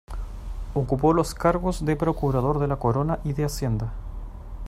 Ocupó los cargos de procurador de la Corona y de Hacienda.